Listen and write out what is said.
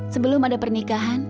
sebelum ada pernikahan